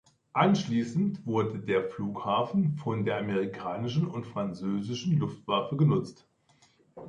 Anschließend wurde der Flughafen von der amerikanischen und französischen Luftwaffe genutzt.